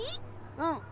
うん！